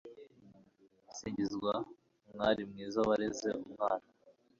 singizwa mwari mwiza wareze mwana